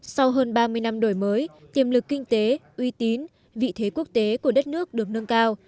sau hơn ba mươi năm đổi mới tiềm lực kinh tế uy tín vị thế quốc tế của đất nước được nâng cao